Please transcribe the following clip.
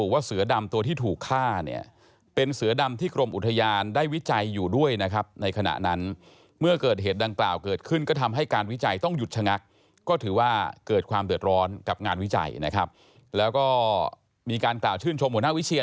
แล้วก็มีการกล่าวชื่นชมหัวหน้าวิเชียนด้วยนะครับ